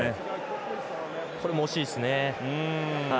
これも惜しいですね。